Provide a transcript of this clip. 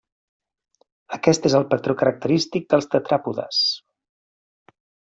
Aquest és el patró característic dels tetràpodes.